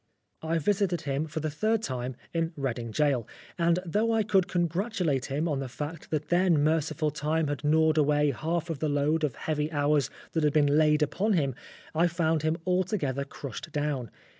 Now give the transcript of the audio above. I visited him for the third time in Reading Gaol, and though I could congratulate him on the fact that then merciful Time had gnaw r ed away half of the load of heavy hours that had been laid upon him, I found him altogether crushed down.